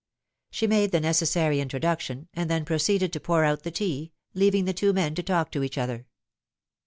She made the necessary introduction, and then proceeded to pour out the tea, leaving the two men to talk to each othnr.